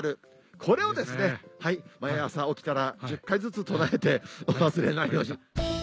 これを毎朝起きたら１０回ずつ唱えて忘れないように。